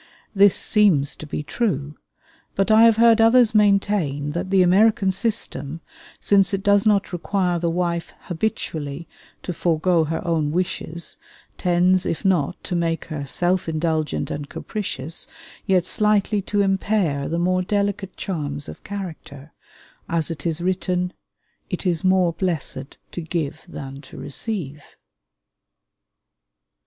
This seems to be true; but I have heard others maintain that the American system, since it does not require the wife habitually to forego her own wishes, tends, if not to make her self indulgent and capricious, yet slightly to impair the more delicate charms of character; as it is written, "It is more blessed to give than to receive."